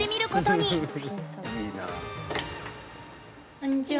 こんにちは。